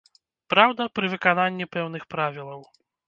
Праўда, пры выкананні пэўных правілаў.